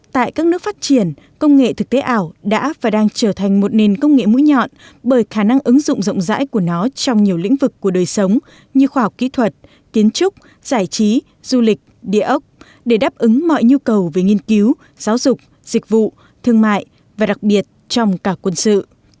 tại các nước phát triển công nghệ thực tế ảo đã và đang trở thành một nền công nghệ mũi nhọn bởi khả năng ứng dụng rộng rãi của nó trong nhiều lĩnh vực của đời sống như khoa học kỹ thuật kiến trúc giải trí du lịch địa ốc để đáp ứng mọi nhu cầu về nghiên cứu giáo dục dịch vụ thương mại và đặc biệt trong cả quân sự